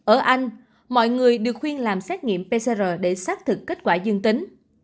ở anh mọi người được khuyên làm xét nghiệm pcr để xác thực kết quả dương tính